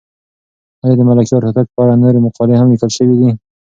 آیا د ملکیار هوتک په اړه نورې مقالې هم لیکل شوې دي؟